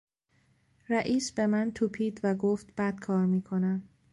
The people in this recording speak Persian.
رئیس به من توپید و گفت بد کار میکنم.